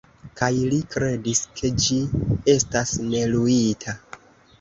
Kaj li kredis, ke ĝi estas neluita.